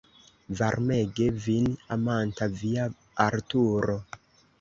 Varmege vin amanta via Arturo.